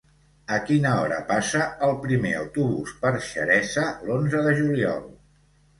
A quina hora passa el primer autobús per Xeresa l'onze de juliol?